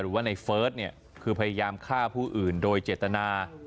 หรือว่าในเฟิร์สเนี่ยคือพยายามฆ่าผู้อื่นโดยเจตนา